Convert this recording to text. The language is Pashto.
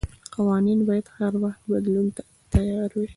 قوانين بايد هر وخت بدلون ته تيار وي.